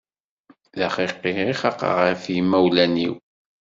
D axiqi i xaqeɣ ɣef yimawlan-iw.